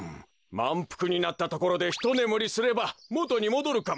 まんぷくになったところでひとねむりすればもとにもどるかもしれませんな。